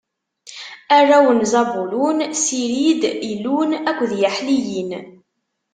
Arraw n Zabulun: Sirid, Ilun akked Yaḥliyil.